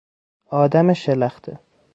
آدم شلخته